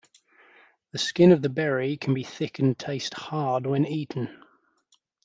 The skins of the berry can be thick and taste "hard" when eaten.